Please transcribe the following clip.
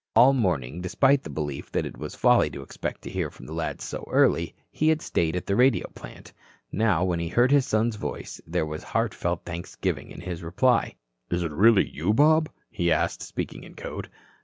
All morning, despite the belief that it was folly to expect to hear from the lads so early, he had stayed at the radio plant. Now, when he heard his son's voice, there was heartfelt thanksgiving in his reply. "Is it really you, Bob?" he asked, speaking in code.